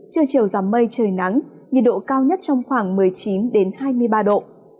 trưa chiều giảm mây trời nắng nhiệt độ cao nhất trong khoảng một mươi chín hai mươi ba độ